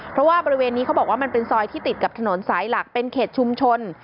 เพราะว่าบริเวณนี้เขาบอกว่ามันเป็นซอยที่ติดกับถนนสายหลักเป็นเขตชุมชน